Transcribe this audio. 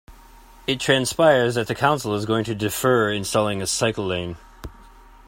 It transpires that the council is going to defer installing a cycle lane.